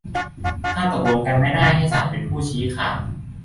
ถ้าตกลงกันไม่ได้ให้ศาลเป็นผู้ชี้ขาด